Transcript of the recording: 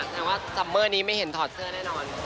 แสดงว่าซัมเมอร์นี้ไม่เห็นถอดเสื้อแน่นอน